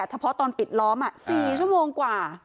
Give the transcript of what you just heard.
เฉพาะตอนปิดล้อม๔ชั่วโมงกว่า